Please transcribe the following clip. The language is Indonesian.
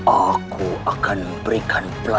aku akan berikan pelajaran